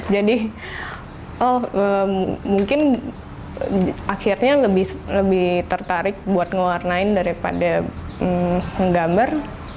jadi oh mungkin akhirnya lebih tertarik buat ngewarnain daripada menggambar